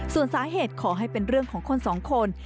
ส่วนสาเหตุขอให้เป็นเรื่องของคนสองคน